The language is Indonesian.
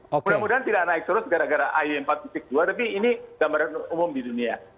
mudah mudahan tidak naik terus gara gara ay empat dua tapi ini gambaran umum di dunia